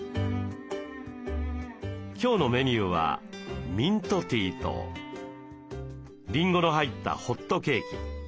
今日のメニューはミントティーとリンゴの入ったホットケーキ。